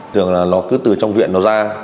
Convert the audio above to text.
thường là nó cứ từ trong viện nó ra